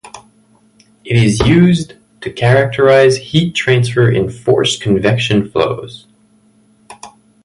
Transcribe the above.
It is used to characterize heat transfer in forced convection flows.